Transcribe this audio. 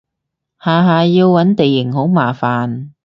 下下要搵營地好麻煩